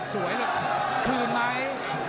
สวยเลยคืนไหม